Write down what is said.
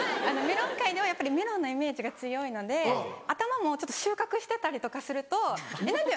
メロン界ではやっぱりメロンのイメージが強いので頭も収穫してたりとかすると。